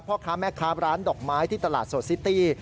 พ่อค้าแม่ค้าร้านดอกไม้ที่ตลาดสดซิตี้